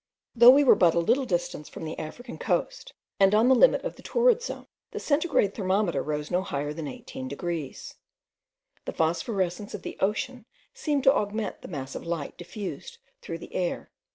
Though we were but a little distance from the African coast, and on the limit of the torrid zone, the centigrade thermometer rose no higher than 18 degrees. The phosphorescence of the ocean seemed to augment the mass of light diffused through the air.